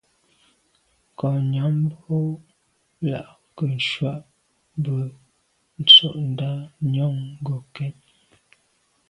Nkô nyam bo làn ke ntshùa bwe ntsho ndà njon ngokèt.